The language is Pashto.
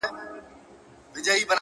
بل تفسير دا کېدلای سي.